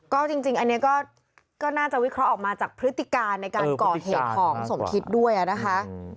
ก็จริงอันนี้ก็น่าจะวิเคราะห์ออกมาจากพฤติการในการก่อเหตุของสมคิดด้วยนะคะ